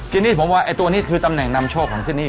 ทีนี้ผมว่าไอ้ตัวนี้คือตำแหน่งนำโชคของที่นี่